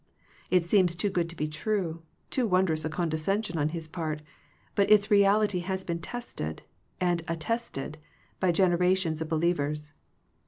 It seems too good to be true, too wondrous a condescension on His part, but its reality has been tested, and at tested, by generations of believers.